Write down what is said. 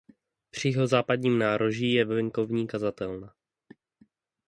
Při jihozápadním nároží je venkovní kazatelna.